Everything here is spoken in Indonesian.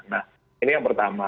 nah ini yang pertama